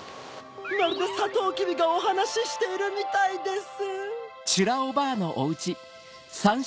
まるでサトウキビがおはなししているみたいです。